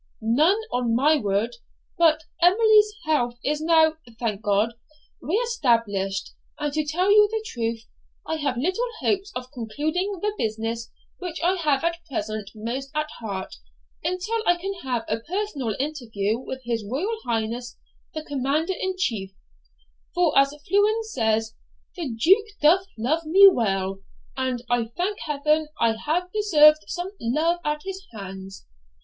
'None, on my word; but Emily's health is now, thank God, reestablished, and, to tell you the truth, I have little hopes of concluding the business which I have at present most at heart until I can have a personal interview with his Royal Highness the Commander in Chief; for, as Fluellen says, "the duke doth love me well, and I thank heaven I have deserved some love at his hands."